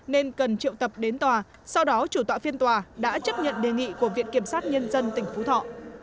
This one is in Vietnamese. nên cần triệu tập đến tòa sau đó chủ tọa phiên tòa đã chấp nhận đề nghị của viện kiểm sát nhân dân tỉnh phú thọ